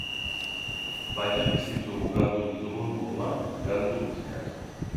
Baina ezin ditugu galdu ditugun moduan galdu mutilak!